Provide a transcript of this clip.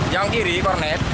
yang kiri kornet